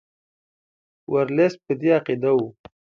ورلسټ په دې عقیده وو.